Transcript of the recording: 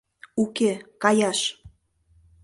— Уке, каяш!